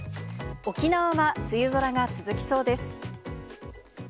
沖縄は梅雨空が続きそうです。